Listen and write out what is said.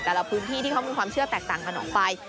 แต่ละพื้นที่ที่เขามีความเชื่อแตกต่างกันออกไป